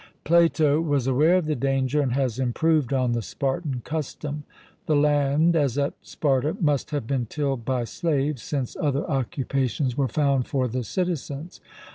Plato was aware of the danger, and has improved on the Spartan custom. The land, as at Sparta, must have been tilled by slaves, since other occupations were found for the citizens.